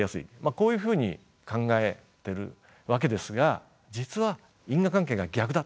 こういうふうに考えているわけですが実は因果関係が逆だ。